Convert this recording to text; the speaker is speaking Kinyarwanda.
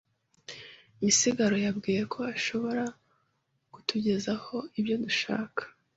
Misigaro yambwiye ko ashobora kutugezaho ibyo dushaka.